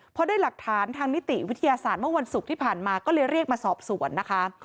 พอได้หลักฐานทางนิติวิทยาศาสตร์เมื่อวันศุกร์ที่ผ่านมาก็เลยเรียกมาสอบสวนนะคะ